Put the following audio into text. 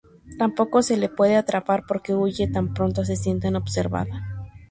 Tampoco se la puede atrapar porque huye tan pronto se siente observada.